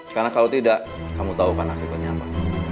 karena kalau tidak kamu tau kan akhirnya apa